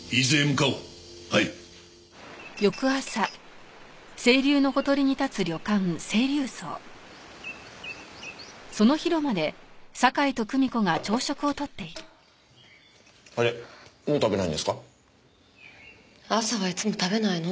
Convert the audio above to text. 朝はいつも食べないの。